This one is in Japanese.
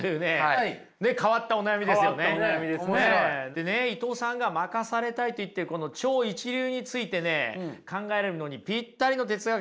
でね伊藤さんが負かされたいといってこの超一流についてね考えるのにピッタリの哲学者がいると思うんですが。